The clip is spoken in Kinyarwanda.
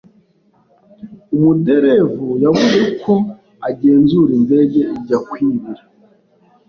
Umuderevu yabuze uko agenzura indege ijya kwibira.